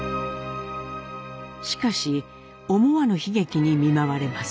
しかし思わぬ悲劇に見舞われます。